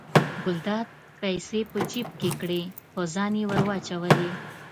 ګلداد پیسې په جب کې کړې په ځان یې ور واچولې.